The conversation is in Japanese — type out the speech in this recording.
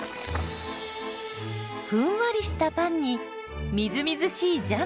ふんわりしたパンにみずみずしいジャム。